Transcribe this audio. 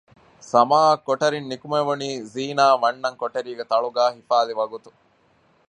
ސަމާއަށް ކޮޓަރިން ނުކުމެވުނީ ޒީނާ ވަންނަން ކޮޓަރީގެ ތަޅުގައި ހިފާލި ވަގުތު